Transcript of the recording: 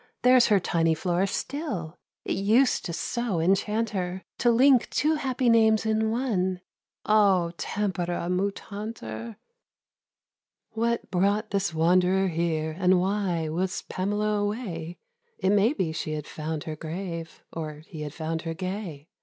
there's her tiny flourish still, It used to so enchant her To link two happy names in one— "O tempora mutantur!" What brought this wand'rer here, and why Was Pamela away? It may be she had found her grave, Or he had found her gay.